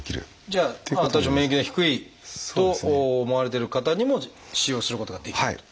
じゃあ多少免疫の低いと思われてる方にも使用することができると？